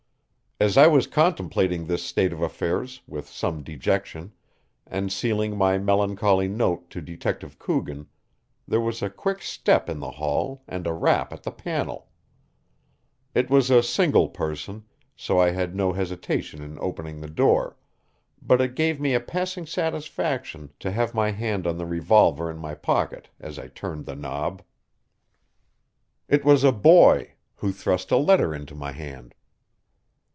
As I was contemplating this state of affairs with some dejection, and sealing my melancholy note to Detective Coogan, there was a quick step in the hall and a rap at the panel. It was a single person, so I had no hesitation in opening the door, but it gave me a passing satisfaction to have my hand on the revolver in my pocket as I turned the knob. It was a boy, who thrust a letter into my hand.